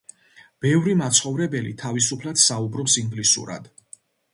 ბევრი მაცხოვრებელი თავისუფლად საუბრობს ინგლისურად.